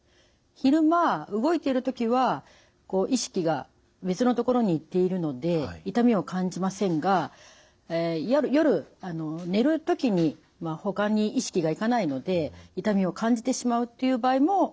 昼間動いている時はこう意識が別のところに行っているので痛みを感じませんが夜寝る時にほかに意識が行かないので痛みを感じてしまうっていう場合もあります。